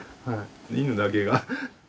犬だけが。